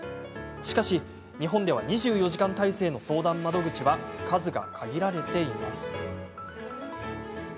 しかし日本では２４時間体制の相談窓口は数が限られています。